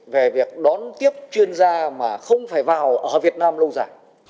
về việc đón tiếp chuyên gia mà không phải vào ở việt nam lâu dài